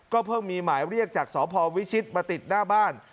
เพิ่งมีหมายเรียกจากสพวิชิตมาติดหน้าบ้าน